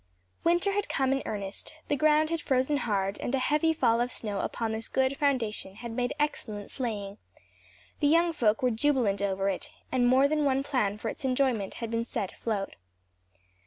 Winter had come in earnest; the ground had frozen hard and a heavy fall of snow upon this good foundation had made excellent sleighing; the young folk were jubilant over it, and more than one plan for its enjoyment had been set afloat.